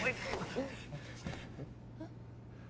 えっ？